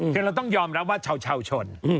คือเราต้องยอมรับว่าชาวชน